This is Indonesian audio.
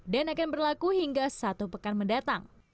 dan akan berlaku hingga satu pekan mendatang